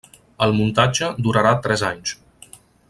El muntatge durarà tres anys.